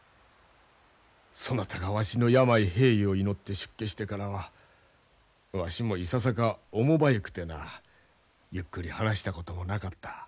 そなたがわしの病平癒を祈って出家してからはわしもいささか面ばゆくてなゆっくり話したこともなかった。